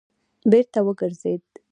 بېرته وګرځېد.